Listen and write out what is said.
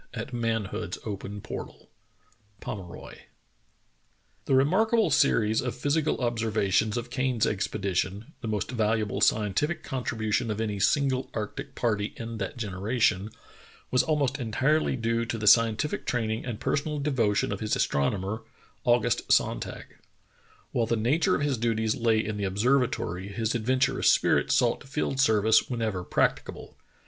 At manhood's open portal." — POMEROY. THE remarkable series of physical observations of Kane's expedition, the most valuable scientific contribution of any single arctic party in that generation, was almost entirely due to the scientific training and personal devotion of his astronomer, Au gust Sonntag, While the nature of his duties lay in the observatory, his adventurous spirit sought field ser vice whenever practicable.